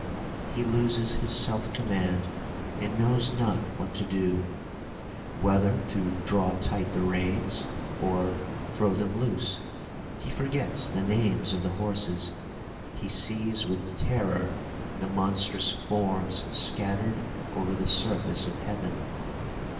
He loses his self command and knows not what to do — whether to draw tight the reins or throw them loose; he forgets the names of the horses. He sees with terror the monstrous forms scattered over the surface of heaven.